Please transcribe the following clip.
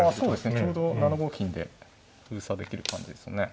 ちょうど７五金で封鎖できる感じですよね。